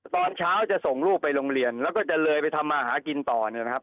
ตอนเช้าจะส่งลูกไปโรงเรียนแล้วก็จะเลยไปทำมาหากินต่อเนี่ยนะครับ